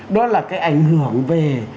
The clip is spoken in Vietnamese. đó là cái ảnh hưởng về